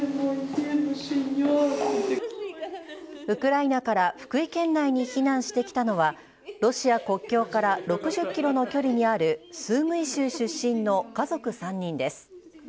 ウクライナから福井県内に避難してきたのは、ロシア国境から６０キロの距離にあるスームィ州出身の家族３人です。